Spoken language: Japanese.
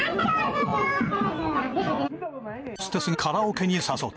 ホステスがカラオケに誘った。